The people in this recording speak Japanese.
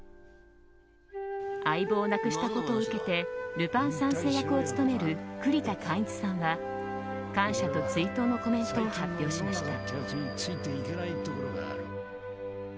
相棒を亡くしたことを受けてルパン三世役を務める栗田貫一さんは、感謝と追悼のコメントを発表しました。